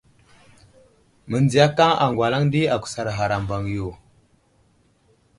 Məndziyakaŋ aŋgwalaŋ di agusar ghar a mbaŋ yo.